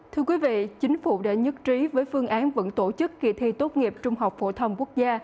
thưa quý vị chính phủ đã nhất trí với phương án vẫn tổ chức kỳ thi tốt nghiệp trung học phổ thông quốc gia